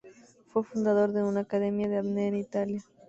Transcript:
Fue fundador de una Academia de Apnea en Italia.